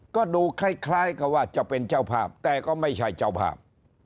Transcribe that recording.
ก็ดูคล้ายก็ว่าจะเป็นเจ้าภาพแต่ก็ไม่ใช่เจ้าภาพ